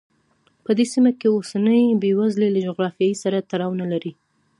په دې سیمه کې اوسنۍ بېوزلي له جغرافیې سره تړاو نه لري.